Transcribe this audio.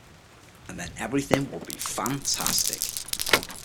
And then everything would be fantastic.